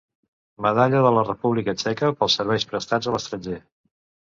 Medalla de la República Txeca pels serveis prestats a l'estranger.